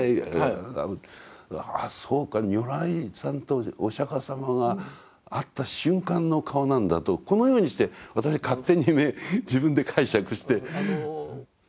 あそうか如来さんとお釈様が会った瞬間の顔なんだとこのようにして私勝手にね自分で解釈して。